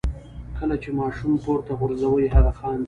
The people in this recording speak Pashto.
کله چې ماشوم پورته غورځوئ هغه خاندي.